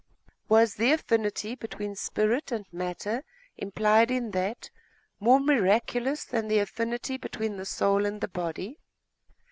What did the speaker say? Was the affinity between spirit and matter implied in that, more miraculous than the affinity between the soul and the body?